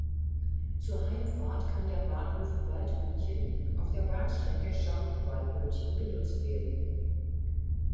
Zur Heimfahrt kann der Bahnhof Waldmünchen auf der Bahnstrecke Cham–Waldmünchen genutzt werden.